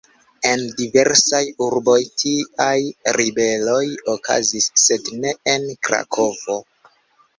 En diversaj urboj tiaj ribeloj okazis, sed ne en Krakovo.